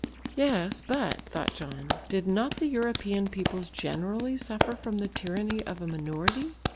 "Yes, but," thought John, "did not the European peoples generally suffer from the tyranny of a minority?"